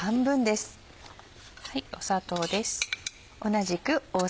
砂糖です。